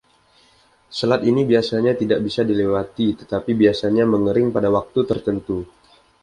Selat ini biasanya tidak bisa dilewati tetapi biasanya mengering pada waktu tertentu.